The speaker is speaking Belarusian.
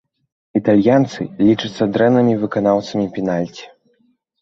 Італьянцы лічацца дрэннымі выканаўцамі пенальці.